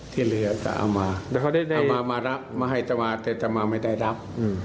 ที่เหลือจะเอามาเอามามารับมาให้ตะวาแต่ตะวาไม่ได้รับ